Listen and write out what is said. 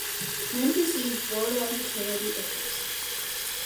Men perceived borderline paternity issues.